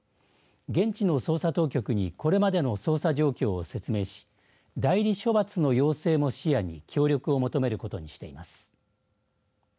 現地の捜査当局にこれまでの捜査状況を説明し代理処罰の要請も視野に協力を求めることにしています。